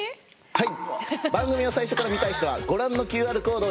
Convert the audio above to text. はい。